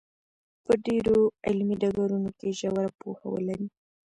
په ډېرو علمي ډګرونو کې ژوره پوهه ولري.